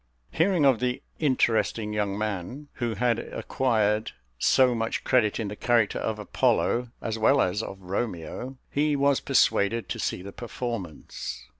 Hearing of "the interesting young man" who had acquired so much credit in the character of Apollo, as well as of Romeo, he was persuaded to see the performance.